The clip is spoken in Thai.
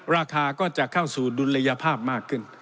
ราคาก็จะเข้าสู่ดุลยภาพมากขึ้น